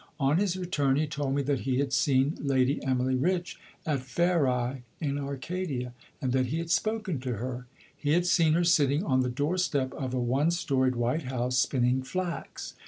On his return he told me that he had seen Lady Emily Rich at Pheræ in Arcadia, and that he had spoken to her. He had seen her sitting on the door step of a one storied white house, spinning flax.